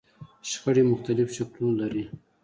شخړې مختلف شکلونه لري.